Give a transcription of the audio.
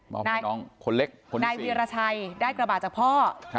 มอบให้น้องคนเล็กคนสี่นายวิราชัยได้กระบะจากพ่อ